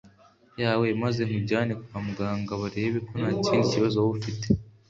yawe maze nkujyane kwa muganga barebe ko ntakindi kibazo waba ufite